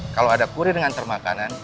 kalo ada kurir dengan termakanan